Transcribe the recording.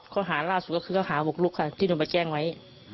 เขาหาราสุก็คือเขาหาบุกลุกค่ะที่หนูไปแจ้งไว้